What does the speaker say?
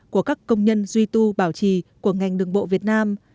của các công nhân duy tu bảo trì của ngành đường bộ việt nam